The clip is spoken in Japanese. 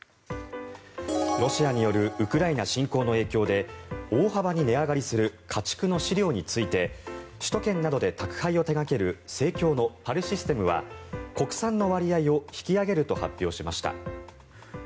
ロシアによるウクライナ侵攻の影響で大幅に値上がりする家畜の飼料について首都圏などで宅配を手掛ける生協のパルシステムは国産の割合を引き上げると発表しました。